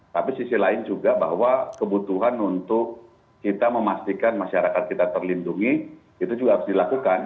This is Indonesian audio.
tapi sisi lain juga bahwa kebutuhan untuk kita memastikan masyarakat kita terlindungi itu juga harus dilakukan